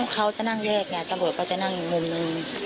เขาจะนั่งแยกนะเธอบอกว่าเขาจะนั่งอย่างนึง